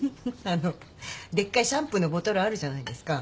あのでっかいシャンプーのボトルあるじゃないですか。